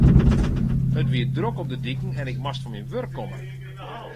It wie drok op de diken en ik moast fan myn wurk komme.